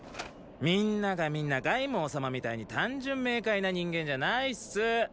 みんながみんな凱孟様みたいに単純明快な人間じゃないス。